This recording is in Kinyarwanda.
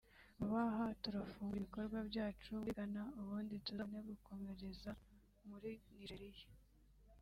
vuba aha turafungura ibikorwa byacu muri Ghana ubundi tuzabone gukomereza muri Nigeria